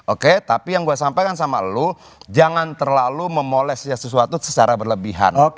oke tapi yang gue sampaikan sama lo jangan terlalu memoles sesuatu secara berlebihan